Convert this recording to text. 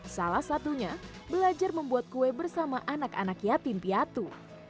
salah satunya belajar membuat kue bersama anak anak yatim piatu